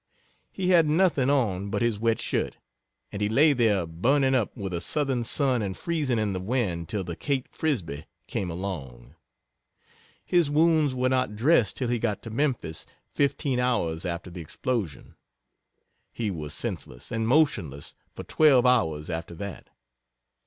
] He had nothing on but his wet shirt, and he lay there burning up with a southern sun and freezing in the wind till the Kate Frisbee came along. His wounds were not dressed till he got to Memphis, 15 hours after the explosion. He was senseless and motionless for 12 hours after that.